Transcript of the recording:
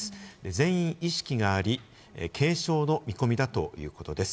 全員意識があり、軽傷の見込みだということです。